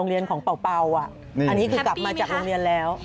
โรงเรียนของเป่าแล้ว